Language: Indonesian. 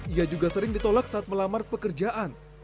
ia juga sering ditolak saat melamar pekerjaan